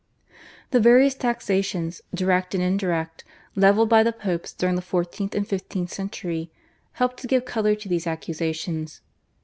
The various taxations, direct and indirect, levied by the Popes during the fourteenth and fifteenth centuries helped to give colour to these accusations.